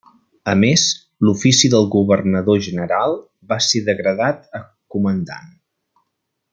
A més, l'ofici del governador-general va ser degradat a comandant.